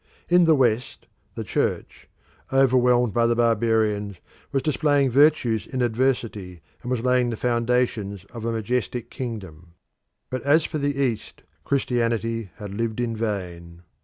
In the West the Church, overwhelmed by the barbarians, was displaying virtues in adversity, and was laying the foundations of a majestic kingdom. But as for the East, Christianity had lived in vain.